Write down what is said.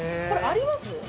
これあります？